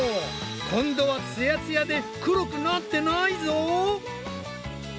今度はつやつやで黒くなってないぞ！